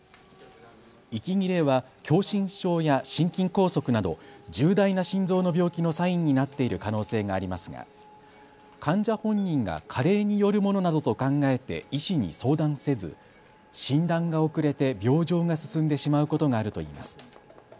息切れは狭心症や心筋梗塞など重大な心臓の病気のサインになっている可能性がありますが患者本人が加齢によるものなどと考えて医師に相談せず診断が遅れて病状が進んでしまうことがあるといいます。